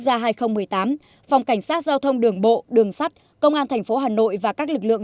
gia hai nghìn một mươi tám phòng cảnh sát giao thông đường bộ đường sắt công an tp hà nội và các lực lượng